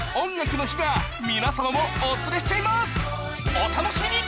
お楽しみに！